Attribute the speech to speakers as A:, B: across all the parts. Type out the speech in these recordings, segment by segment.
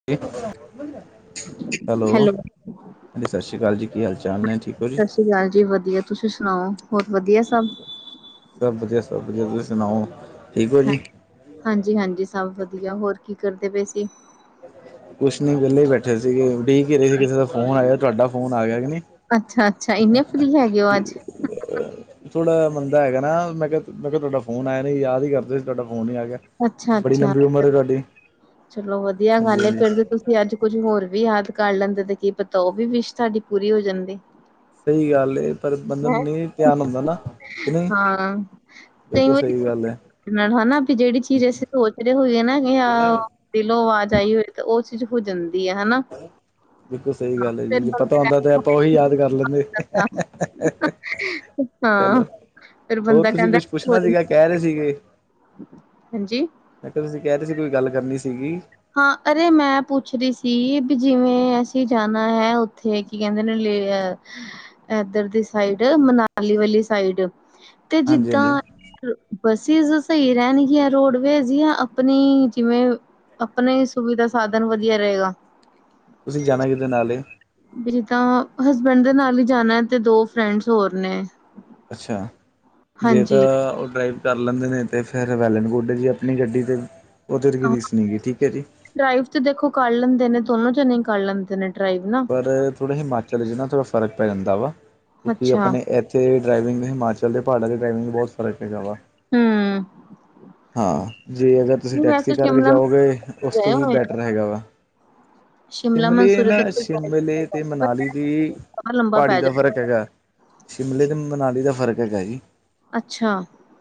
A: [unintelligible] Hello ਹਾਂਜੀ ਸਾਸ਼ਰੀਕਾਲ ਜੀ ਕੀ ਹਾਲ ਚਾਲ ਨੇ ਠੀਕ ਓ ਜੀ?
B: ਸਾਸਰੀਕਾਲ ਜੀ ਵਧੀਆ ਤੁਸੀਂ ਸੁਣਾਓ ਬੌਤ ਵਧੀਐ ਸਭ?
A: ਸਭ ਵਧੀਆ, ਸਭ ਵਧੀਆ ਤੁਸੀਂ ਸੁਣਾਓ ਠੀਕ ਓ ਜੀ?
B: ਹਾਂਜੀ, ਹਾਂਜੀ ਸਭ ਵਧੀਆ ਹੋਰ ਕੀ ਕਰਦੇ ਪਏ ਸੀ?
A: ਕੁਛ ਨੀ ਵੇਲ਼ੇ ਬੈਠੇ ਸੀਗੇ ਉਡੀਕ ਈ ਰਏ ਸੀ ਕਿਸੇ ਦਾ ਫੋਨ ਆਵੇ ਤੁਆਡਾ ਫੋਨ ਆ ਗਿਆ ਕਿ ਨੀ
B: ਅੱਛਾ, ਅੱਛਾ ਇੰਨੇ ਫਰੀ ਹੈਗੇ ਓ ਅੱਜ।
A: [inaudible] ਥੋੜ੍ਹਾ ਮੰਦਾ ਹੈਗਾ ਨਾ ਮੈਂ ਕਿਆ, ਮੈਂ ਕਿਆ ਤੁਆਡਾ ਫੋਨ ਆਏਗਾ ਯਾਦ ਈ ਕਰਦੇ ਸੀ ਤਾਡਾ ਫੋਨ ਈ ਆ ਗਿਆ ਬੜੀ
B: ਅੱਛਾ-ਅੱਛਾ
A: ਲੰਬੀ ਉਮਰ ਐ ਤਾਡੀ।
B: ਚਲੋ ਵਧੀਆ ਗੱਲ ਏ ਫੇਰ ਤੇ ਤੁਸ ਤੇ ਅੱਜ ਕੁੱਝ ਹੋਰ ਵੀ ਯਾਦ ਕਰ ਲੈਂਦੇ ਤੇ ਕੀ ਪਤਾ ਓ ਵੀ ਵਿਸ਼ ਤਾਡੀ ਪੂਰੀ ਹੋ ਜਾਂਦੀ।
A: ਸਈ ਗੱਲ ਏ ਪਰ ਬੰਦੇ
B: ਹੈਂ।
A: ਨੂੰ ਨਈ ਧਿਆਨ ਹੁੰਦਾ ਨਾ ਕਿ ਨਈ
B: ਹਾਂ ਕਈ
A: ਬਿਲਕੁਲ
B: ਵਾਰੀ
A: ਸਈ ਗੱਲ ਏ।
B: ਨਾਲ ਹਨਾ ਵੀ ਜੇੜੀ ਚੀਜ਼ ਅਸੀਂ ਸੋਚ ਰੇ ਹੋਈਏ ਨਾ ਵੀ ਹਾਂ। ਦਿਲੋਂ ਵਾਜ਼ ਆਈ ਹੋਏ ਤਾਂ ਓ ਚੀਜ਼ ਹੋ ਜਾਂਦੀ ਐ ਹਨਾ।
A: ਬਿਲਕੁਲ ਸਈ ਗੱਲ ਏ
B: ਫਿਰ
A: ਜੀ ਜੇ ਪਤਾ
B: ਬੰਦਾ
A: ਹੁੰਦਾ ਤੇ ਆਪਾਂ ਓਹੀ ਯਾਦ
B: ਕਹਿੰਦਾ
A: ਕਰ ਲੈਂਦੇ ਹੀ, ਹੇਹੇਹੇ
B: ਹਾਂ ਫੇਰ
A: ਹੋਰ
B: ਬੰਦਾ
A: ਤੁਸੀਂ
B: ਕਹਿੰਦਾ
A: ਕੁਛ ਪੁੱਛਣਾ ਸੀਗਾ ਕਹਿ ਰਹੇ ਸੀਗੇ
B: [unintelligible] ਹਾਂਜੀ
A: ਮੈਂ ਕਿਹਾ ਤੁਸੀਂ ਕਹਿ ਰਹੇ ਸੀ ਕੋਈ ਗੱਲ ਕਰਨੀ ਸੀਗੀ।
B: ਹਾਂ ਅਰੇ ਮੈਂ ਪੁੱਛ ਰੀ ਸੀ ਵੀ ਜਿਵੇਂ ਅਸੀਂ ਜਾਣਾ ਹੈ ਉੱਥੇ ਕੀ ਕਹਿੰਦੇ ਨੇ ਲੇ ਅ ਏਧਰ ਦੀ ਸਾਈਡ ਮਨਾਲੀ ਵਾਲੀ ਸਾਈਡ। ਤੇ
A: ਹਾਂਜੀ
B: ਜਿੱਦਾਂ
A: ਹਾਂਜੀ
B: ਬੱਸਿਜ਼ ਸਹੀ ਰਹਿਣਗੀਆਂ ਰੋਡਵੇਜ ਜਾਂ ਆਪਣੀ ਜਿਵੇਂ ਆਪਣੇ ਹੀ ਸੁਵਿਧਾ ਸਾਧਨ ਵਧੀਆ ਰਹੇਗਾ।
A: ਤੁਸੀਂ ਜਾਣਾ ਕਿਦੇ ਨਾਲ ਏ?
B: ਵੀ ਜਿੱਦਾਂ ਹਸਬੈਂਡ ਦੇ ਨਾਲ ਈ ਜਾਣਾ ਤੇ ਦੋ ਫਰੈਂਡਸ ਹੋਰ ਨੇ।
A: ਅੱਛਾ ਜੇ ਤਾਂ
B: ਹਾਂਜੀ
A: ਓ ਡਰਾਈਵ ਕਰ ਲੈਂਦੇ ਨੇ ਤੇ ਫਿਰ ਵੈਲਨ ਗੁੱਡ ਜੀ ਆਪਣੀ ਗੱਡੀ ਤੇ ਓਹ ਤਾਂ ਜੀ ਕੋਈ ਰੀਸ ਨਈਂ ਗੀ, ਠੀਕ ਐ ਜੀ।
B: ਡਰਾਈਵ ਤੇ ਦੇਖੋ ਕਰ ਲੈਂਦੇ ਨੇ ਦੋਨੋਂ ਜਣੇ ਈ ਕਰ ਲੈਂਦੇ ਨੇ ਡਰਾਈਵ ਨਾ।
A: ਪਰ ਥੋੜ੍ਹੇ ਹਿਮਾਚਲ ਚ ਨਾ ਥੋੜ੍ਹਾ ਫਰਕ ਪੈ ਜਾਂਦਾ ਵਾ ਕਿਉਂਕਿ
B: ਅੱਛਾ
A: ਆਪਣੇ ਏ ਤੇ ਡਰਾਈਵਿੰਗ ਹਿਮਾਚਲ ਦੇ ਪਾੜਾਂ ਤੇ ਡਰਾਵਿੰਗ ਬੋਤ ਫਰਕ ਹੈਗਾ ਵਾ।
B: ਹਂ।
A: ਹਾਂ ਜੇ ਅਗਰ ਤੁਸੀਂ ਟੈਕਸੀ ਕਰਕੇ
B: ਸ਼ਿਮਲਾ
A: ਜਾਓਗੇ ਉਸ ਤੋਂ
B: ਗਏ
A: ਵੀ
B: ਹੋਏ
A: ਬੈਟਰ ਹੈਗਾ ਵਾ।
B: ਸ਼ਿਮਲਾ
A: ਸ਼ਿਮਲੇ ਇਹ
B: ਮਨਸੂਰੀ
A: ਨਾ
B: ਦਾ
A: ਸ਼ਿਮਲੇ ਤੇ ਮਨਾਲੀ ਦੀ
B: ਲੰਬਾ ਪੈ
A: ਪਹਾੜੀ ਦਾ
B: ਜਾਂਦਾ
A: ਫ਼ਰਕ ਹੈਗਾ। ਸ਼ਿਮਲੇ ਤੇ ਮਨਾਲੀ ਦਾ ਫ਼ਰਕ ਹੈਗਾ ਜੀ।
B: ਅੱਛਾ।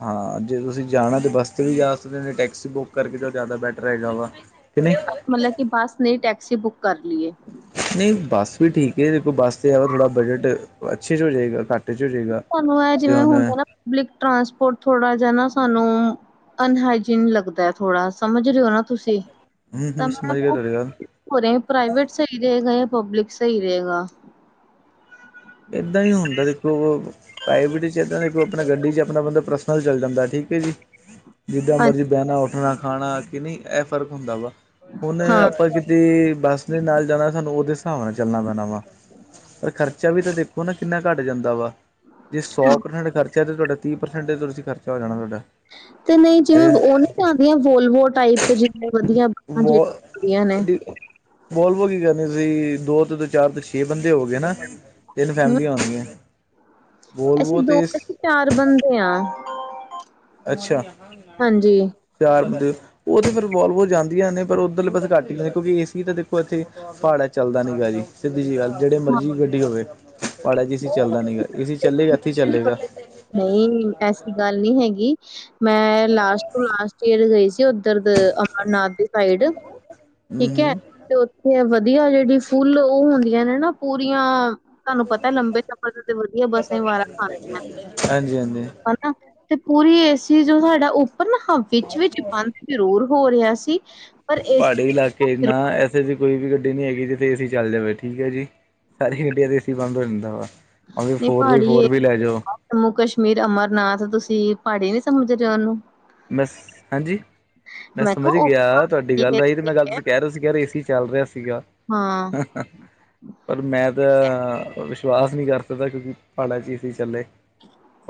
A: ਹਾਂ ਜੇ ਤੁਸੀਂ ਜਾਣਾ ਤੇ ਬਸ ਤੁਸੀਂ ਜਾ ਸਕਦੇ ਨੇ ਜੇ ਟੈਕਸੀ ਬੁਕ ਕਰਕੇ ਤਾਂ ਜ਼ਿਆਦਾ ਬੈਟਰ ਹੈਗਾ ਵਾ ਕੇ ਨ
B: ਮਤਲਬ ਕੀ ਬਸ ਨਈ ਟੈਕਸੀ ਬੁੱਕ ਕਰ ਲਈ ਏ।
A: ਨਈਂ ਬੱਸ ਵੀ ਠੀਕ ਐ, ਦੇਖੋ ਬੱਸ ਤੇ ਆ ਥੋੜ੍ਹਾ ਬਜਟ ਅੱਛੇ ਚ ਹੋ ਜਏਗਾ ਘੱਟ 'ਚ ਹੋ ਜਾਏਗਾ
B: ਸਾਨੂੰ ਐ
A: ਤੇ
B: ਜਿਵੇਂ
A: ਹੁਣ
B: ਹੁੰਦਾ ਨਾ
A: ਹਮ
B: ਪਬਲਿਕ ਟਰਾਂਸਪੋਰਟ ਥੋੜਾ ਜਿਆ ਨਾ ਸਾਨੂੰ ਅਨਹਾਈਜੀਨ ਲੱਗਦਾ ਥੋੜਾ ਸਮਝ ਰਏ ਓਂ ਨਾ ਤੁਸੀਂ। ਤਾਂ
A: ਹਮ
B: ਮੈਂ
A: ਸਮਝ ਗਿਆ
B: ਆਪਕੋ
A: ਤੁਹਾਡੀ ਗੱਲ
B: [unintelligible] ਪ੍ਰਾਈਵੇਟ ਸਈ ਰਏਗਾ ਜਾਂ ਪਬਲਿਕ ਸਈ ਰਏਗਾ।
A: ਏਦਾਂ ਈ ਹੁੰਦਾ ਦੇਖਲੋ ਪ੍ਰਾਈਵੇਟ ਚ ਏਦਾਂ ਦੇਖੋ ਆਪਨਾ ਗੱਡੀ ਚ ਆਪਨਾ ਬੰਦਾ ਪਰਸਨਲ ਚੱਲ ਜਾਂਦਾ ਠੀਕ ਐ ਜੀ। ਜਿੱਦਾਂ
B: ਹਾਂ
A: ਮਰਜ਼ੀ ਬੈਨਾ, ਉੱਠਨਾ, ਖਾਨਾ ਕੇ ਨਈਂ ਏ ਫ਼ਰਕ ਹੁੰਦਾ ਵਾ ਹੁਨ
B: ਹਾਂ
A: ਆਪਾਂ ਤੇ ਬੱਸ ਨੇ ਨਾਲ ਜਾਨਾ ਸਾਨੂੰ ਓਦੇ ਸਾਬ ਨਾਲ ਚੱਲਨਾ ਪੈਨਾ ਵਾ, ਪਰ ਖਰ ਖਰਚਾ ਵੀ ਤਾਂ ਦੇਖੋ ਨਾ ਕਿੰਨਾ ਘੱਟ ਜਾਂਦਾ ਵਾ, ਜੇ ਸੌ ਪ੍ਰਸੈਂਟ ਖਰ ਚਾਏ ਤਾਂ ਤਾਡਾ ਤੀਹ ਪ੍ਰਸੈਂਟ ਤੁਸੀਂ ਖਰਚਾ ਹੋ ਜਾਨਾ ਤੁਆਡਾ।
B: ਤੇ ਨਈ ਜਿਵੇਂ ਉਹ ਨੀ ਆਂਦੀਆਂ ਵੋਲਵੋ ਟਾਇਪ ਜਿਹੜੀਆਂ ਵਧੀਆ ਹੁੰਦੀਆਂ ਨੇ,
A: ਬੋਲਵੋ ਕੀ ਕਰਨੀ ਤੁਸੀਂ ਦੋ ਤੇ ਦੋ ਚਾਰ ਤੇ ਛੇ ਬੰਦੇ ਹੋ ਗਏ ਨਾ। ਤਿੰਨ ਫੈਮਲੀਆਂ ਹੁੰਦੀਆਂ।
B: ਅੱਛਾ ਦੋ ਤੇ ਚਾਰ ਬੰਦੇ ਆ।
A: ਅੱਛਾ,
B: ਹਾਂਜੀ
A: ਚਾਰ ਬੰਦੇ, ਉਹ ਤਾਂ ਫਿਰ ਵੋਲਵੋ ਜਾਂਦੀਆਂ ਨੇ ਪਰ ਉਧਰਲੇ ਪਾਸੇ ਘੱਟ ਗਏ ਕਿਉਂਕਿ ਏਸੀ ਤਾਂ ਦੇਖੋ ਇਥੇ ਪਹਾੜਾਂ ਚ ਚੱਲਦਾ ਨੀ ਗਾ ਜੀ, ਸਿੱਧੀ ਜੀ ਗੱਲ ਜੇੜੀ
B: ਹਾਂ,
A: ਮਰਜ਼ੀ ਗੱਡੀ ਹੋਵੇ। ਪਹਾੜਾਂ ਚ ਏਸੀ ਚੱਲਦਾ ਨੀ ਗਾ, ਏਸੀ ਚੱਲੇਗਾ ਏਥੀ ਚੱਲੇਗਾ।
B: ਨ‌ਈ, ਐਸੀ ਗੱਲ ਨੀ ਹੈਗੀ। ਮੈਂ ਲਾਸਟ ਟੂ ਲਾਸਟ ਇਅਰ ਗਈ ਸੀ ਉੱਧਰ ਦ ਅਮਰਨਾਥ ਸਾਈਡ, ਠੀਕ ਐ।
A: ਹੂੰ
B: ਤੇ ਉੱਥੇ ਵਧੀਆ ਜੇੜੀ ਫੁੱਲ ਓ ਹੁੰਦੀਆਂ ਨੇ ਨਾ ਪੂਰੀਆਂ ਤਾਨੂੰ ਪਤਾ ਲੰਬੇ ਸਫ਼ਰ ਤੇ ਤਾ ਵਧੀਆ ਬੱਸਾਂ ਵਾਰਾਂ ਖਾਂਦੀਆਂ
A: ਹਾਂਜੀ ਹਾਂਜੀ
B: ਨੇ। ਤੇ ਪੂਰੀ ਏ ਸੀ ਜੋ ਸਾਡਾ ਉੱਪਰ ਨਾ ਹਾਂ ਵਿੱਚ ਵਿਚ ਈ ਬੰਦ ਜ਼ਰੂਰ ਹੋ ਰਿਆ ਸੀ। ਪਰ
A: ਪਹਾੜੀ
B: ਏਸੀ
A: ਇਲਾਕੇ ਅ
B: ਜ਼ਰੂਰ
A: ਨਾ ਐਸੇ ਐਸੀ ਕੋਈ ਵੀ ਗੱਡੀ ਨੀ ਹੈਗੀ ਜਿੱਥੇ ਏ ਸੀ ਚੱਲ ਜਾਵੇ। ਠੀਕ ਏ ਜੀ। ਸਾਰੀ ਗਡੀਆਂ ਦੇ ਏ ਸੀ ਬੰਦ ਹੋ ਜਾਂਦਾ ਵਾ ਭਾਂਵੇ
B: ਨਹੀਂ।
A: ਫੋਰ ਬਾਈ
B: ਪਹਾੜੀ ਏ
A: ਫੋਰ ਵੀ ਲੈ ਜਓ।
B: ਜੰਮੂ ਕਸ਼ਮੀਰ, ਅਮਰਨਾਥ ਤੁਸੀ ਪਾੜੀ ਨੀ ਸਮਝ ਰੇ ਓਨੂੰ।
A: ਮਿਸ ਹਾਂਜੀ। ਮੈਂ ਸਮਝ
B: ਕਿਹਾ ਉਹ
A: ਗਿਆ
B: ਪਹਾੜੀ
A: ਤੁਆਡੀ ਗੱਲ ਐਈ ਤੇ
B: ਹੀ
A: ਮੈਂ ਗੱਲ
B: ਹੈ।
A: ਤੁਸੀ ਕੈ ਰੇ ਤੁਸੀ ਕੈ ਰੇ ਏ ਸੀ ਚੱਲ ਰਿਆ ਸੀਗਾ।
B: ਹਾਂ।
A: ਪਰ ਮੈਂ ਤਾਂ ਵਿਸ਼ਵਾਸ ਨੀ ਕਰ ਸਕਦਾ ਕਿਉਂਕਿ ਪਾੜਾਂ ਚ ਏ ਸੀ ਚੱਲੇ।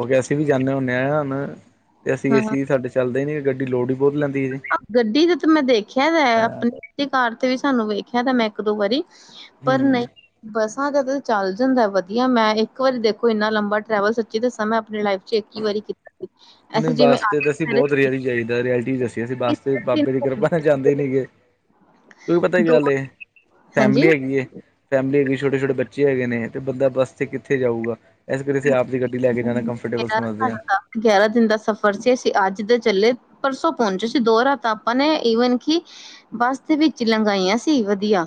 A: ਓਕੇ ਅਸੀ ਵੀ ਜਾਂਨੇ ਹੁੰਨੇ ਆਂ ਹਨ ਅਸੀ ਏ
B: ਹਾਂ।
A: ਸੀ ਸਾਡੇ ਚੱਲਦੇ ਨੀ ਗੱਡੀ ਲੋਡ ਈ ਬੋਤ ਲੈਂਦੀ ਏ ਜੀ।
B: ਅ ਗੱਡੀ ਦੇ ਤੇ ਮੈਂ ਦੇਖਿਆ ਦਾ
A: ਅ
B: ਅਪਣੀ ਕਾਰ ਤੇ ਵੀ ਸਾਨੂੰ ਵੇਖਿਆ ਦਾ ਮੈਂ ਏਕ-ਦੋ ਵਾਰੀ। ਪਰ ਨਈ।
A: ਹੂੰ।
B: ਬੱਸਾਂ ਦਾ ਤੇ ਚੱਲ ਜਾਂਦਾ ਵਧੀਆ ਮੈਂ ਇੱਕ ਵਾਰੀ ਦੇਖੋ ਇੰਨਾ ਲੰਬਾ ਟਰੈਵਲ ਸੱਚੀ ਦਸਾਂ ਮੈਂ ਅਪਣੀ ਲਾਈਫ ਚ ਇਕ ਈ ਵਾਰੀ ਕੀ
A: ਨਈ ਬੱਸ ਤੇ, ਤੇ ਅਸੀ ਬੋਤ ਰੇਅਲ ਈ ਜਾਈਦਾ ਰਿਐਲਟੀ ਦੱਸੀਏ ਅਸੀ ਬਸ ਤੇ ਬਾਬੇ ਦੀ ਕਿਰਪਾ ਜਾਂਦੇ ਈ ਨੀਗੇ। ਕਿਉਂਕ ਪਤਾ ਕੀ
B: ਦੋ
A: ਗੱਲ ਏ,
B: ਹਾਂਜੀ
A: ਫੈਮਿਲੀ ਹੈਗੀ ਏ। ਫੈਮਿਲੀ ਹੈਗੀ ਛੋਟੇ-ਛੋਟੇ ਬੱਚੇ ਹੈਗੇ ਨੇ ਤੇ ਬੰਦਾ ਬਸ ਤੇ ਕਿੱਥੇ ਜਾਊਗਾ। ਐਸ ਕਰਕੇ ਅਸੀ ਆਪ ਦੀ ਗੱਡੀ ਲੈ ਕੇ ਜਾਣਾ ਕੰਫਰਟੇਬਲ
B: ਮੇਰਾ
A: ਸਮਝਦੇ ਆ।
B: ਸਾਡਾ ਗਿਆਰਾਂ ਦਿਨ ਦਾ ਸਫ਼ਰ ਸੀ ਅਸੀ ਅੱਜ ਦੇ ਚੱਲੇ ਪਰਸੋਂ ਪਹੁੰਚੇ ਸੀ ਦੋ ਰਾਤਾਂ ਆਪਾਂ ਨੇ ਈਵਨ ਕਿ ਬਸ ਦੇ ਵਿੱਚ ਲੰਗਾਈਆਂ ਸੀ ਵਧੀਆ।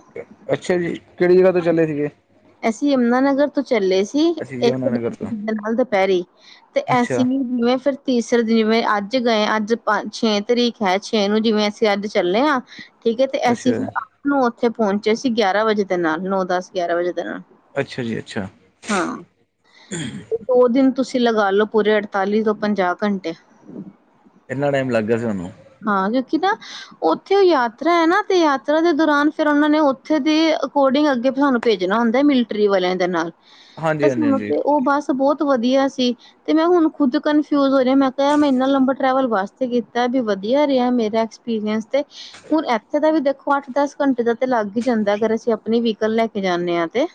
A: ਅੱਛਾ ਜੀ ਕੇੜੀ ਜਗ੍ਹਾ ਤੋਂ ਚੱਲੇ ਸੀਗੇ।
B: ਅਸੀ ਯਮੁਨਾਾਨਗਰ ਤੋਂ ਚੱਲੇ ਸੀ
A: ਅਸੀਂ
B: ਏਕ
A: ਯਮੁਨਾ
B: [unintelligible]
A: ਨਗਰ ਤੋਂ
B: ਨਾਲ ਦੁਪਹਿਰੇ। ਤੇ ਐਸੀ
A: ਅੱਛਾ
B: ਨੀ ਫਿਰ ਤੀਸਰੇ ਦਿਨ ਜਿਵੇਂ ਅੱਜ ਗਏ ਅੱਜ ਪ ਛੇ ਤਰੀਕ ਐ ਛੇ ਨੂੰ ਜਿਵੇਂ ਅਸੀ ਅੱਜ ਚੱਲੇ ਆ ਠੀਕ ਏ ਤੇ ਐਸੀ ਫਿਰ
A: ਅੱਛਾ
B: ਅਠ ਨੂੰ ਓਥੇ ਪਹੁੰਚੇ ਸੀ ਗਿਆਰਾਂ ਵਜੇ ਦੇ ਨਾਲ ਨੌ, ਦਸ, ਗਿਆਰਾਂ ਵਜੇ ਦੇ ਨਾਲ।
A: ਅੱਛਾ ਜੀ ਅੱਛਾ।
B: ਉਹ ਦਿਨ ਤੁਸੀ ਲਗਾ ਲੋ ਪੂਰੇ ਅੜਤਾਲੀ ਤੋਂ ਪੰਜਾਹ ਘੰਟੇ।
A: ਇੰਨਾ ਟਾਈਮ ਲੱਗ ਗਿਆ ਸੀ ਤੁਹਾਨੂੰ।
B: ਹਾਂ ਕਿਉਂਕਿ ਨਾ ਓਥੇ ਓ ਯਾਤਰਾ ਐ ਨਾ ਤੇ ਯਾਤਰਾ ਦੇ ਦੌਰਾਨ ਫੇਰ ਔਨਾ ਨੇ ਓਥੇ ਦੇ ਅਕੋਰਡਿੰਗ ਅੱਗੇ ਸਾਨੂੰ ਭੇਜ ਨਾ ਹੁੰਦਾ ਮਿਲਟਰੀ ਵਾਲਿਆਂ ਦੇ ਨਾਲ ਤੇ
A: ਹਾਂਜੀ
B: ਬਸ
A: ਹਾਂਜੀ ਹਾਂਜੀ
B: [unintelligible] ਓ ਬਸ ਬੋਤ ਵਧੀਆ ਸੀ ਤੇ ਮੈਂ ਹੁਣ ਖੁਦ ਕਨਫਿਊਜ ਹੋ ਜਾ ਮੈਂ ਕਿਹਾ ਮੈਂ ਇੰਨਾ ਲੰਬਾ ਟਰੈਵਲ ਬਸ ਤੇ ਕੀ ਤਾ ਵੀ ਵਧੀਆ ਰਿਹਾ ਮੇਰਾ ਐਕਸਪੀਰੀਅੰਸ ਤੇ, ਹੁਣ ਐਥੇ ਦਾ ਵੀ ਦੇਖੋ ਅੱਠ, ਦਸ ਘੰਟੇ ਦਾ ਤੇ ਲੱਗ ਈ ਜਾਂਦਾ ਅਗਰ ਅਸੀ ਅਪਣੀ ਵਹੀਕਲ ਲੈ ਕੇ ਜਾਂਨੇ ਆ ਤੇ।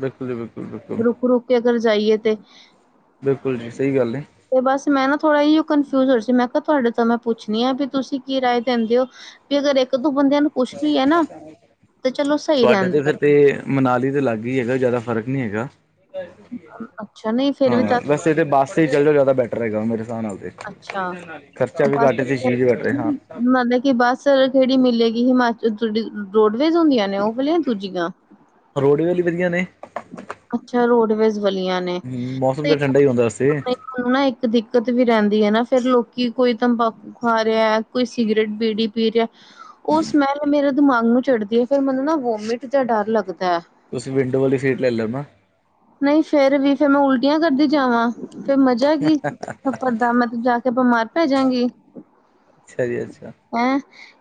A: ਬਿਲਕੁਲ ਜੀ ਬਿਲਕੁਲ-ਬਿਲਕੁਲ।
B: ਤੇ ਅਗਰ ਜਾਈਏ ਤੇ।
A: ਬਿਲਕੁਲ ਜੀ ਸਹੀ ਗੱਲ ਏ।
B: ਤੇ ਬਸ ਮੈਂ ਨਾ ਥੋੜ੍ਹਾ ਅਈਓ‌ ਕਨਫਿਊਜ ਹੋ ਰੀ ਸੀ ਮੈਂ ਕਿਹਾ ਤੁਹਾਡੇ ਤੋਂ ਮੈਂ ਪੁੱਛਣੀ ਆ ਵੀ ਤੁਸੀ ਕੀ ਰਾਏ ਦੇੰਦੇ ਓ। ਕੇ ਅਗਰ ਇੱਕ ਦੋ ਬੰਦਿਆਂ ਨੂੰ ਪੁਛ ਲੀਏ‌ ਨਾ ਤੇ ਚਲੋ ਸਹੀ
A: ਤੁਹਾਡੇ ਤੇ
B: ਰਹਿੰਦਾ।
A: ਫਿਰ ਤੇ ਮਨਾਲੀ ਦੇ ਲਾਗੇ ਈ ਹੈਗਾ ਜਾਦਾ ਫ਼ਰਕ ਨੀ ਹੈਗਾ।
B: ਅੱਛਾ ਨਈ ਫੇਰ ਵੀ ਤਾ
A: ਤੇ-ਤੇ ਬੱਸ ਈ ਚੱਲ ਜਓ ਜਾਦਾ ਬੈਟਰ ਰਏਗਾ ਮੇਰੇ ਸਾਬ ਨਾਲ। ਦੇਖੋ
B: ਅੱਛਾ
A: ਖਰਚਾ ਵੀ ਘੱਟ ਤੇ ਸ਼ੀ ਵੀ ਘਟ ਏ ਹਾਂ।
B: ਮੰਨਦੇ ਕੀ ਬਸ ਸ ਕੇੜੀ ਮਿਲੇਗੀ ਹਿਮਾਚਲ ਜੇੜੀ ਰੋਡਵੇਜ਼ ਹੁੰਦੀਆਂ। ਨਾ ਓ ਵਾਲੀਆ ਦੂਜੀਆ,
A: ਰੋਡਵੇਜ਼ ਵੀ ਵਧੀਆ ਨੇ
B: ਅੱਛਾ ਰੋਡਵੇਜ਼ ਵਲੀਆ।
A: ਹੂੰ ਮੌਸਮ ਤੇ ਠੰਡਾ ਈ ਹੁੰਦਾ ਓਸੇ।
B: ਪਰ ਨਾ ਇੱਕ ਦਿੱਕਤ ਵੀ ਰਹਿੰਦੀ ਐ ਨਾ ਫੇਰ ਲੋਕੀ ਕੋਈ ਤੰਬਾਕੂ ਖਾ ਰਿਹਾ, ਕੋਈ ਸਿਗਰਟ-ਬੀੜੀ ਪੀ ਰਿਹਾ। ਓ ਸਮੈਲ ਮੇਰੇ ਦਿਮਾਗ ਨੂੰ ਚੜ੍ਹਦੀ ਐ ਫੇਰ ਮੈਨੂੰ ਨਾ ਵੋਮਿਟ ਜਾ ਡਰ ਲੱਗਦਾ।
A: ਤੁਸੀਂ ਵਿੰਡੋ ਵਾਲੀ ਸੀਟ ਲੈ ਲਓ ਨਾ।
B: ਨਹੀਂ, ਫਿਰ ਵੀ ਫਿਰਮੈਂ ਉਲਟੀਆਂ ਹੀ ਕਰਦੀ ਜਾਵਾਂ, ਫਿਰ ਮਜ਼ਾ ਕੀ ਸਫ਼ਰ ਦਾ, ਮੈ ਤੇ ਜਾ ਕੇ ਬਿਮਾਰ ਹੀ ਪੈ ਜਾਵਾਂਗੀ
A: ਅੱਛਾ, ਅੱਛਾ।
B: ਆ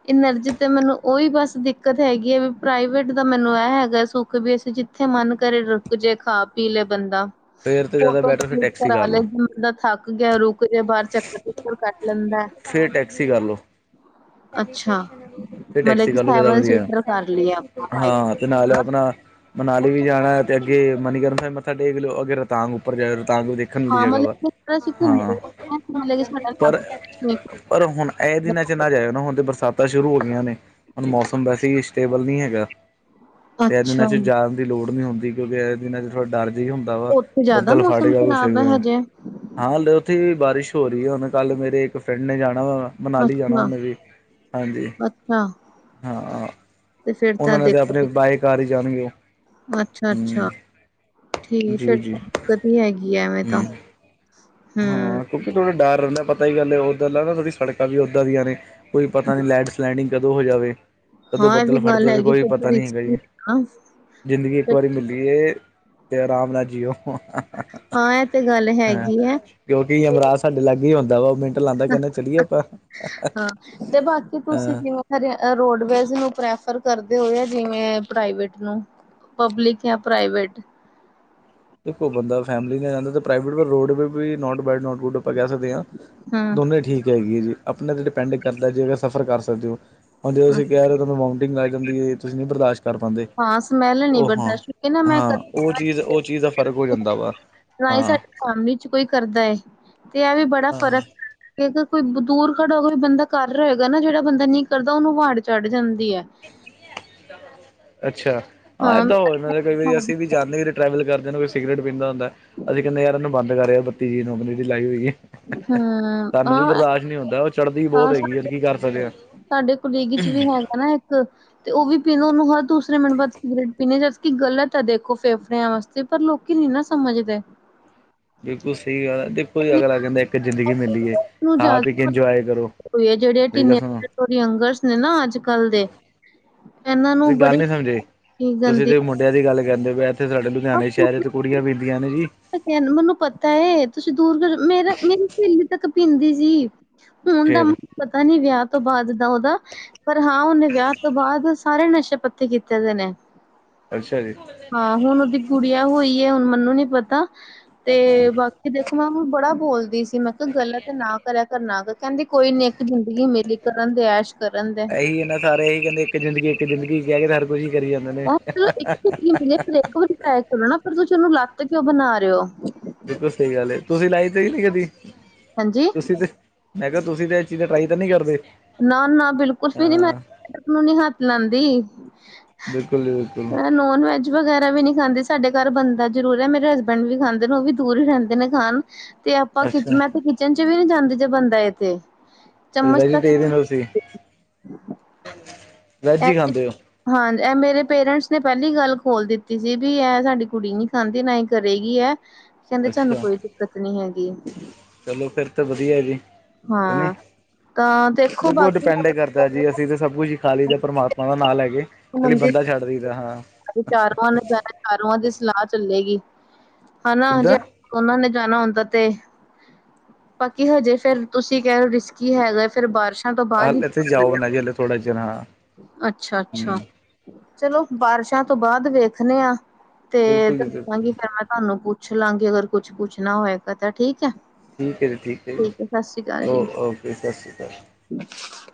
B: ਇਨਰਜੀ ਤੇ ਮੈਨੂੰ ਉਹੀ ਬਸ ਦਿੱਕਤ ਹੈਗੀ ਹੈ ਵੀ ਪ੍ਰਾਈਵੇਟ ਦਾ ਮੈਨੂੰ ਇਹ ਹੈਗਾ ਸੁਖ ਵੀ ਅਸੀਂ ਜਿੱਥੇ ਮਨ ਘਰੇ ਰੁਕ ਜੇ ਖਾ-ਪੀ ਲੇ ਬੰਦਾ,
A: ਫੇਰ ਤਾਂ ਜ਼ਿਆਦਾ
B: ਫੋਟੋ
A: ਬੈਟਰ ਫਿਰ
B: ਸੂਟ
A: ਟੈਕਸੀ
B: ਕਰਾ
A: ਕਰ
B: ਲੇ
A: ਲਓ
B: ਮਤਬ ਥੱਕ ਗਿਆ, ਰੁਕ ਗਿਆ, ਬਾਹਰ ਚੱਕਰ ਲਾ ਲਿਆ। ਕੱਟ ਲੈਂਦਾ
A: ਫਿਰ ਟੈਕਸੀ ਕਰ ਲਓ।
B: ਅੱਛਾ
A: ਫਿਰ ਟੈਕਸੀ
B: ਮਤਲਬ ਕਿ
A: ਕਰਨਾ ਜ਼ਿਆਦਾ
B: ਸੈਵਨ
A: ਵਧੀਆ
B: ਸੀਟਰ ਕਰ ਲਈ ਆਪਾਂ
A: ਹੈ, ਨਾਲ
B: ਹਨਾ
A: ਆਪਣਾ। ਮਨਾਲੀ ਵੀ ਜਾਣਾ, ਅੱਗੇ ਮਨੀਕਰਨ ਸਾਹਿਬ ਮੱਥਾ ਟੇਕ ਲਿਓ, ਅਗੇ ਰੋਹਤਾਂਗ ਉਪਰ ਜਾਏਓ ਰੋਤਾਗ਼ ਵੀ ਦੇਖਣ ਵਾਲੀ
B: ਹਾਂ
A: ਜਗ੍ਹਾ ਤਾਂ
B: ਮਤਲਬ ਕਿ ਫਿਰ ਅਸੀਂ ਘੁੰਮਦੇ
A: ਹੈ,
B: ਹਾਂ, ਮਤਲਬ ਕਿ ਸਾਡਾ ਲੱਗ ਜਾਏ
A: ਪਰ ਹੁਣ ਐ ਦਿਨਾਂ ਵਿੱਚ ਨਾ ਜਾਓ। ਐ ਨਾ ਹੁਣ ਤਾਂ ਬਰਸਾਤਾਂ ਵੀ ਸ਼ੁਰੂ ਹੋ ਗਈਆਂ ਨੇ, ਤੇ ਮੌਸਮ ਵੀ ਸਟੇਬਲ ਨਹੀਂ ਹੈਗਾ। ਤੇ ਇਹਨਾਂ ਦਿਨਾਂ
B: ਅੱਛਾ
A: ਵਿੱਚ ਜਾਣ ਦੀ ਲੋੜ ਨਹੀਂ ਹੁੰਦੀ, ਕਿਉਂਕਿ ਇਹਨਾਂ ਦਿਨਾਂ ਵਿੱਚ ਥੋੜ੍ਹਾ ਡਰ ਜਿਹਾ ਹੋਂਦਾ ਹੈ। ਦਾ
B: ਉੱਥੇ
A: ਵੀ
B: ਜ਼ਿਆਦਾ
A: ਬਦਲ ਫੱਟ
B: ਮੌਸਮ
A: ਗਿਆ ਕੁਝ।
B: ਖ਼ਰਾਬ ਹੈ ਹਜੇ
A: ਹਾਂ ਹਲੇ, ਉੱਥੇ ਵੀ ਬਾਰਿਸ਼ ਹੋ ਰਹੀ ਹੈ। ਕੱਲ੍ਹ ਮੇਰੇ ਇੱਕ ਫ੍ਰੈਂਡ ਜਾਣਾ ਮਨਾਲੀ ਜਾਣਾ
B: ਅੱਛਾ
A: ਹੈ। ਵੀ ਹਾਂਜੀ
B: ਅੱਛਾ
A: ਹਾਂ
B: ਤੇ ਫੇਰ
A: ਓਨਾ
B: ਤਾਂ
A: ਨਾਲ ਤੇ
B: ਦੇਖੋ
A: ਆਪਣੇ ਬਾਈ ਕਾਰ ਈ ਜਾਨਗੇ।
B: ਅੱਛਾ ਅੱਛਾ, ਠੀਕ ਹੈ,
A: ਜੀ
B: ਫਿਰ
A: ਜੀ
B: ਦਿੱਕਤ ਹੀ ਹੈਗੀ ਆ ਐਵੇਂ ਤਾਂ।
A: ਹਮ
B: ਹਮ
A: ਹਾਂ ਕਿਉਂਕਿ ਥੋੜ੍ਹਾ ਡਰ ਰੈਂਦਾ ਹੈ। ਪਤਾ ਹੀ ਹੈ, ਉੱਧਰ ਦੀਆਂ ਸੜਕਾ ਵੀ ਐਦਾਂ ਦੀਆਂ ਨੇ, ਕਿਤੇ ਲੈਂਡਸਲਾਈਡਿੰਗ ਨਾ ਹੋ ਜਾਵੇ ਕਦੋਂ ਹੋ ਜਾਵੇ, ਕਦੋਂ
B: ਹਾਂ ਇਹ ਵੀ
A: ਬੱਦਲ ਫਟ
B: ਗੱਲ
A: ਜਾਵੇ,
B: ਹੈਗੀ
A: ਕੋਈ
B: ਫਿਰ ਤਾਂ
A: ਪਤਾ ਨਹੀਂ ਹੁੰਦਾ
B: ਰਿਸਕੀ
A: ਜੀ।
B: ਆ
A: ਜ਼ਿੰਦਗੀ ਇੱਕ ਵਾਰੀ ਹੀ ਮਿਲਦੀ ਹੈ। ਏ ਤੇ, ਆਰਾਮ ਨਾਲ ਜੀ ਓ।
B: ਹਾਂ ਇਹ ਤੇ ਗੱਲ ਹੈਗੀ ਐ
A: ਕਿਉਂਕਿ
B: ਤੇ
A: ਯਮਰਾਜ ਸਾਡੇ ਲਾਗੇ ਹੀ ਹੁੰਦਾਵਾ। ਕੈਂਦਾ ਚਲੀਏ ਆਪਾਂ
B: ਹਾਂ ਤੇ ਬਾਕੀ ਤੁਸੀਂ ਜਿਵੇਂ ਰੋਡਵੇਜ਼ ਨੂੰ ਹੀ ਪ੍ਰੈਫਰ ਕਰਦੇ ਹਾਂ ਜਾ ਪ੍ਰਾਈਵੇਟ ਨੂੰ ਪਬਲਿਕ ਜਾਂ ਪ੍ਰਾਈਵੇਟ।
A: ਦੇਖੋ, ਬੰਦਾ ਫੈਮਿਲੀ ਨਾਲ ਜਾਂਦਾ ਹੈ, ਪ੍ਰਾਈਵੇਟ ਹੋਵੇ ਜਾਂ roadways. Not bad not good ਆਪਾ ਕੈ ਸਕਦੇ ਹਾਂ,
B: ਹੂੰ
A: ਦੋਨੇ ਹੀ ਠੀਕ ਹੈਗੀ ਜੀ। ਆਪਣੇ 'ਤੇ ਡਿਪੈਂਡ ਕਰਦਾ ਹੈ। ਜੇ ਤੁਸੀਂ ਸਫ਼ਰ ਕਰ ਸਕਦੇ ਹੋ,। ਹੁਣ ਜਿਵੇਂ ਤੁਸੀਂ ਕੈ ਰਹੇ ਹੋ ਕਿ ਤੁਹਾਨੂ ਘਬਰਾਹਟ ਹੋ ਜਾਂਦੀ ਹੈ, ਤੁਸੀਂ ਨੀ ਬਰਦਾਸ਼ਤ। ਕਰ ਪਾਂਦੇ
B: ਹਾਂ ਸਮੈਲ ਨੀ
A: ਉਹ ਹਾਂ
B: ਬਰਦਾਸ਼ਤ ਕਿਉਂਕਿ ਨਾ ਮੈਂ ਕਦੇ
A: ਉਹ ਚੀਜ਼
B: ਐਵੇਂ
A: ਉਹ ਚੀਜ਼ ਹਾਂ, ਫ਼ਰਕ ਹੋ ਜਾਂਦਾ ਵਾ।
B: ਕੰਮ ਵਿਚ ਕੋਈ ਕਰਦਾ ਹੈ, ਤੇ ਐ ਵੀ ਬੜਾ ਫ਼ਰਕ।
A: ਹਾਂ
B: ਅਗਰ ਕੋਈ ਦੂਰ ਖੜਾ ਹੋਏਗਾ ਬੰਦਾ ਕਰ ਰੇਆ ਹੋਏਗਾ ਨਾ ਜੇੜਾ ਨੀ ਕਰ ਦਾ ਓਨੂੰ ਵਾੜ ਚੜ ਜਾਂਦੀ ਐ
A: ਅੱਛਾ, ਹਾਂ, ਐਦਾਂ ਹੋ ਜਾਂਦਾ ਹੈ। ਕ ਵਾਰੀ
B: ਹਾਂ,
A: ਜਾਂਦੇ ਜਦੋਂ ਟਰੈਵਲ ਕਰਦੇ ਹੋ, ਕਈ ਸਿਗਰਟ ਪੀਂਦਾ ਹੁੰਦਾ ਅਸੀ ਕੈਂਦੇ 'ਯਾਰ, ਇਨੂੰ ਬੰਦ ਕਰ। ਸਿਗਰੇਟ ਲਾਈ ਹੋ ਈ
B: ਹਾਂ,
A: ਏਸਾਨੂੰ ਵੀ
B: ਹਾਂ
A: ਬਰਦਾਸ਼ਤ ਨਹੀਂ ਹੁੰਦਾ। ਚੜ੍ਹਦੀ ਬਹੁਤ
B: ਹਾਂ, ਸਾ-
A: ਹੈਗੀ ਆ ਕੀ ਕਰ ਸਕਦੇ ਹਾਂ
B: ਸਾਡੇ ਕਾਲੀਗ ਵਿੱਚ ਵੀ ਹੋਂਦਾ ਨਾ ਇੱਕ ਨਾ ਉਹ ਵੀ ਪੀਂਦਾ ਹੈਓਨੂੰ। ਹਰ ਦੂਸਰੇ ਮਿਨਟਬਾਅਦ ਸਿਗਰਟ ਪੀਂਣਾ, ਜਦਕਿ ਇਹ ਗਲਤ ਹੈ। ਦੇਖੋ, ਫੇਫੜਿਆਂ ਵਾਸਤੇ ਨੁਕਸਾਨਦਾਇਕ ਹੈ। ਪਰ ਲੋਕੀ ਨੀ ਨਾ ਸਮਝਦੇ
A: ਬਿਲਕੁਲ ਸਹੀ ਗੱਲ ਹੈ ਕੋਈ ਅੱਗਲਾ ਕੈਂਦਾ ਹੈ ਇੱਕ ਜ਼ਿੰਦਗੀ ਮਿਲੀ ਹੈ,
B: ਨੂੰ
A: ਖਾ ਪੀ ਕੇ
B: ਜ਼ਿਆਦਾ ਪਤਾ
A: ਇੰਜੌਏ ਕਰੋ। ਮੇਰੀ ਗਲ ਸੁਣੋ
B: ਯੰਗਰਜ਼ ਨੇ ਅੱਜਕੱਲ੍ਹ ਦੇ ਇਹਨਾ ਨੂੰ
A: ਤੁਸੀਂ ਗੱਲ ਨਹੀਂ ਸਮਝੇ
B: ਬੜੀ
A: ਤੁਸੀਂ
B: ਗੰਦੀ
A: ਤੇ ਮੁੰਡਿਆਂ ਦੀ ਗੱਲ ਤਾਂ ਛੱਡੋ, ਇੱਥੇ ਸਾਡੇ
B: ਆਹ
A: ਲੁਧਿਆਣਾ ਸ਼ਹਿਰ
B: ਪੂਰਾ
A: ਵਿੱਚ ਕੁੜੀਆਂ ਵੀ ਸਿਗਰਟ ਪੀਂਦੀਆਂ ਹਨ ਜੀ।
B: ਮੈਨੂੰ ਪਤਾ ਹੈ। ਦੂਰ ਦੀ ਗੱਲ ਛੱਡੋ, ਮੇਰੀ ਇੱਕ ਸਹੇਲੀ ਤਕ ਪੀਂਦੀ ਸੀ। ਹੁਣ ਦਾ ਤਾਂ
A: ਫੇਰ
B: ਮੈਨੂੰ ਪਤਾ ਨਹੀਂ। ਵਿਆਹ ਤੋਂ ਬਾਅਦ ਦਾ ਉਹਦਾ, ਪਰ ਹਾ ਉਹਨੇ ਵਿਆਹ ਤੋਂ ਬਾਅਦ ਸਾਰੇ ਨਸ਼ੇ ਪੱਤੇੇ ਕੀਤੇ ਦੇ ਨੇ।
A: ਅੱਛਾ ਜੀ।
B: ਹਾਂ ਹੁਣ ਉਹਦੀ ਗੁੜੀਆ ਹੋਈ ਏ, ਹੁਣ ਮੈਨੂੰ ਨੀ ਪਤਾ ਤੇ ਬਾਕੀ ਦੇਖੋ ਮੈਂ ਓਨੂੰ ਬੜਾ ਬੋਲਦੀ ਸੀ ਮੈਂ ਕਿਹਾ ਗਲਤ ਹੈ ਨਾ ਕਰਿਆ ਕਰ ਨਾ ਕਹਿੰਦੀ ਕੋਈ ਨੀ ਇੱਕ ਜ਼ਿੰਦਗੀ ਮਿਲੀ ਕਰਣਗੇ ਐਸ਼। ਕਰਨ ਦੇ
A: ਇਹੀ ਹੈ ਨਾ ਸਾਰੇ ਇਹੀ ਕਹਿੰਦੇ ਇੱਕ ਜ਼ਿੰਦਗੀ ਇੱਕ ਜ਼ਿੰਦਗੀ ਕਹਿ ਕੇ ਹਰ ਕੁਝ ਹੀ ਕਰੀ ਜਾਂਦਾ।
B: [unintelligible] ਇੱਕ [unintelligible] ਟਰਾਈ ਕਰੋ ਨਾ ਫਿਰ ਤੁਸੀਂ ਨੂੰ ਲੱਤ ਕਿ ਬਣਾ ਰਹੇ ਹੋ।
A: ਦੇਖੋ ਸਹੀ ਗੱਲ ਏ ਤੁਸੀਂ ਲਾਈ ਤੇ ਨਹੀਂ ਲਈ ਕਦੀ,
B: ਹਾਂਜੀ
A: ਤੁਸੀਂ ਤੇ ਮੈਂ ਕਿਹਾ ਤੁਸੀਂ ਤੇ ਇਹ ਚੀਜ਼ਾਂ ਟਰਾਈ ਤੇ ਨਹੀਂ ਕਰਦੇ।
B: ਨਾ-ਨਾ ਬਿਲਕੁਲ ਵੀ ਨਹੀਂ
A: ਹਾਂ
B: ਮੈਂ [inaudible] ਨੀ ਹੱਥ ਲੈਂਦੀ।
A: ਬਿਲਕੁਲ ਜੀ ਬਿਲਕੁਲ।
B: ਨੋਨਵੈਜ। ਵਗੈਰਾ ਵੀ ਨਹੀਂ ਖਾਂਦੇ ਸਾਡੇ ਘਰ ਬਣਦਾ ਜ਼ਰੂਰ ਹੈ, ਮੇਰੇ ਹਸਬੈਂਡ ਵੀ ਖਾਂਦੇ ਨੇ ਉਹ ਵੀ ਦੂਰ ਹੀ ਰਹਿੰਦੇ ਨੇ ਖਾਣ ਤੇ ਆਪਾਂ ਕਿਚ
A: ਅੱਛਾ
B: ਮੈਂ ਤੇ ਕਿਚਨ ਚ ਵੀ ਨਹੀਂ ਜਾਂਦੀ ਜੇ ਬਣਦਾ ਏ ਤੇ। ਚਮਚ ਤੱਕ
A: ਵੈਜੀਟੇਰੀਅਨ ਓ ਤੁੱਸੀ।
B: ਏਥੇ ਹਾਂ ਇਹ ਮੇਰੇ ਪੇਰੈਂਟਸ ਨੇ ਪਹਿਲੀ ਗੱਲ ਖੋਲ ਦਿੱਤੀ ਸੀ ਬਈ ਇਹ ਸਾਡੀ ਕੁੜੀ ਨਹੀਂ ਹਾਂਜੀ ਨਹੀਂ ਕਰੇਗੀ ਏ। ਕਹਿੰਦੇ ਸਾਨੂੰ
A: ਅੱਛਾ
B: ਕੋਈ ਦਿੱਕਤ ਨਹੀਂ ਹੈਗੀ,
A: ਚਲੋ ਫਿਰ ਤਾਂ ਵਧੀਆ ਜੀ ਕਿ ਨਹੀਂ
B: ਹਾਂ। ਤਾਂ ਦੇਖੋ ਬਾਕੀ ਹੁਨ
A: ਤਾਂ ਜੀ ਅਸੀਂ ਤਾਂ ਸਭ ਕੁੱਛ ਹੀ ਖਾ ਲਈ ਦਾ ਪ੍ਰਮਾਤਮਾ ਦਾ ਨਾ ਲੈਕੇ
B: ਹਾਂਜੀ ਅਸੀ ਚਾਰ ਪੰਜ ਜਣੇ ਚਾਰੂਆਂ ਦੀ ਸਲਾਹ ਚੱਲੇਗੀ। ਹਨਾ
A: ਕਿੱਦਾਂ
B: ਜੇ ਉਹਨਾਂ ਨੇ ਜਾਣਾ ਹੁੰਦਾ ਤੇ ਬਾਕੀ ਹਜੇ ਫੇਰ, ਤੁਸੀਂ ਕਹਿ ਰਹੇ ਰਿਸਕੀ ਹੈਗਾ ਫੇਰ ਬਾਰਿਸ਼
A: ਹਲੇ ਇ ਤੇੇ ਜਾਓ ਨਾ ਜੇ ਥੋੜਾ ਜਿਰ ਹਾਂ
B: ਅੱਛਾ ਅੱਛਾ
A: ਹੂੰ
B: ਚਲੋ ਬਾਰਿਸ਼ਾਂ ਤੋਂ ਬਾਅਦ ਵੇਖਦੇ ਆ ਤੇ
A: ਬਿਲਕੁਲ ਜੀ
B: ਦੱਸਾਂਗੀ
A: ਬਿਲਕੁਲ
B: ਫੇਰ ਮੈਂ ਤੁਹਾਨੂੰ ਪੁੱਛ ਲਾਂਗੀ, ਅਗਰ ਕੁਛ ਪੁੱਛਣਾ ਹੋਏਗਾ ਤਾਂ ਠੀਕ ਹੈ।
A: ਠੀਕ ਹੈ ਜੀ ਠੀਕ ਹੈ,
B: ਸਤਿ ਸ਼੍ਰੀ ਅਕਾਲ
A: ਜੀ ਓ
B: ਜੀ।
A: ਓਕੇ ਸਤਿ ਸ਼੍ਰੀ ਅਕਾਲ।
B: [unintelligible]